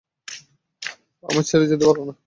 আমায় ছেড়ে যেতে পারো না।